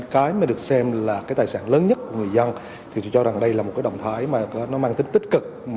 cái mà được xem là tài sản lớn nhất của người dân thì tôi cho rằng đây là một động thái mang tính tích cực